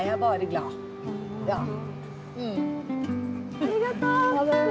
ありがとう！